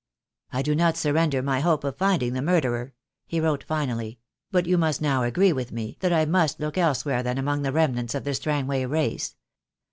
"I do not surrender my hope of finding the mur derer," he wrote finally, "but you must now agree with me that I must look elsewhere than among the remnants of the Strangway race.